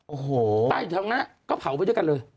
โอ้โหใต้เถอะนะก็เผาไว้ด้วยกันเลย